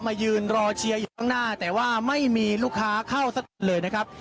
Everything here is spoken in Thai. ยืนรอเชียร์อยู่ข้างหน้าแต่ว่าไม่มีลูกค้าเข้าสักเลยนะครับ